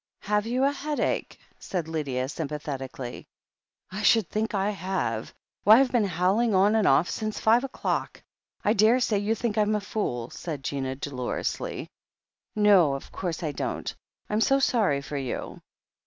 ''Have you a headache ?" said Lydia sympathetically. "I should think I have ! Why, Fve been howling, on and off, since five o'clock. I daresay you think Tm a fool," said Gina dolorously. "No, of course I don't. Fm so sorry for you."